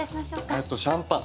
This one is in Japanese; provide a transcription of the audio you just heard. えっとシャンパン。